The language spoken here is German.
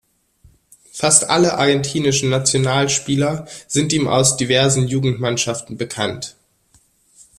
Fast alle argentinischen Nationalspieler sind ihm aus diversen Jugendmannschaften bekannt.